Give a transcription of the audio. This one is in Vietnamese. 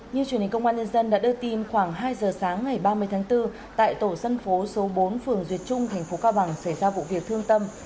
như truyền hình công an nhân dân đã đưa tin khoảng hai giờ sáng ngày ba mươi tháng bốn tại tổ dân phố số bốn phường duyệt trung thành phố cao bằng xảy ra vụ việc thương tâm